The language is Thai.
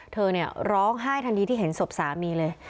เธอร้องไห้ทันทีที่เห็นศพสามีเลย